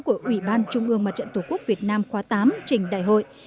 của ủy ban trung ương mặt trận tổ quốc việt nam khóa tám trình đại hội